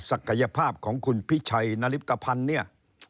ศักยภาพของคุณพี่ชัยนาริปกะพันธ์นี่